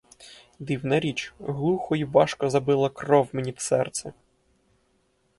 Дивна річ: глухо й важко забила кров мені в серце!